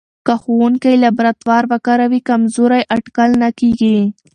که ښوونکی لابراتوار وکاروي، کمزوری اټکل نه کېږي.